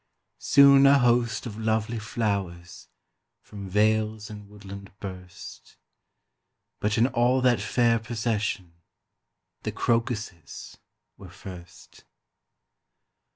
Soon a host of lovely flowers From vales and woodland burst; But in all that fair procession The crocuses were first.